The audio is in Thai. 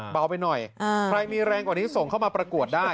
เบาไปหน่อยใครมีแรงกว่านี้ส่งเข้ามาประกวดได้